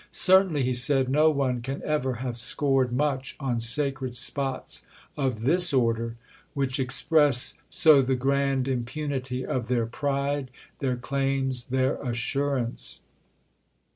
"Certainly," he said, "no one can ever have scored much on sacred spots of this order—which express so the grand impunity of their pride, their claims, their assurance!"